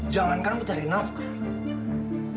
jangan kamu cari nafkah